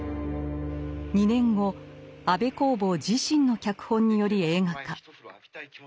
２年後安部公房自身の脚本により映画化。